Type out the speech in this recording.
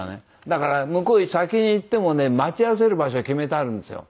だから向こうへ先に行ってもね待ち合わせる場所を決めてあるんですよ。